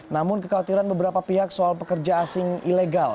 namun kekhawatiran beberapa pihak soal pekerja asing ilegal